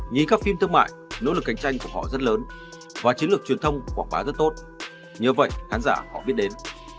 nhìn các phim thương mại nỗ lực cạnh tranh của họ rất lớn và chiến lược truyền thông quảng bá rất tốt nhờ vậy khán giả họ biết đến